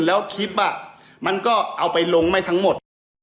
แล้วคลิปมันก็เอาไปลงไม่ทั้งหมด